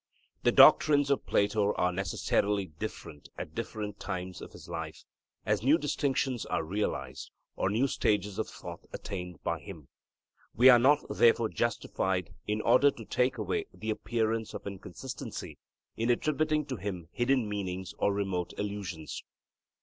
The doctrines of Plato are necessarily different at different times of his life, as new distinctions are realized, or new stages of thought attained by him. We are not therefore justified, in order to take away the appearance of inconsistency, in attributing to him hidden meanings or remote allusions.